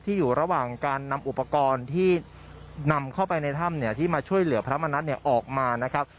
อยู่ระหว่างการนำอุปกรณ์ที่นำเข้าไปในถ้ำเนี่ยที่มาช่วยเหลือพระมณัฐออกมานะครับ